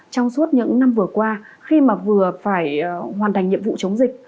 trong suốt những năm vừa qua khi mà vừa phải hoàn thành nhiệm vụ chống dịch